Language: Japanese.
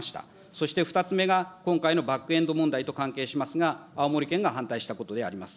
そして２つ目が今回のバックエンド問題と関係しますが、青森県が反対したことであります。